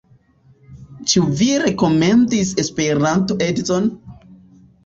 Ĉu vi rekomendis Esperanto-edzon?